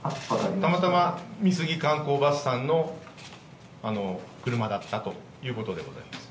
たまたま美杉観光バスさんの車だったということでございます。